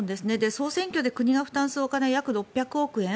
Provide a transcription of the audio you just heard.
総選挙で国が負担するお金は約６００億円。